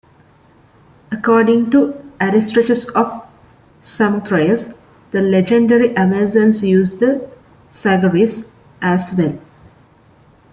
According to Aristarchus of Samothrace, the legendary Amazons used the "sagaris", as well.